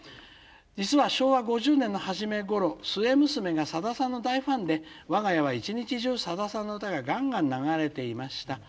実は昭和５０年の初めごろ末娘がさださんの大ファンで我が家は一日中さださんの歌がガンガン流れていました。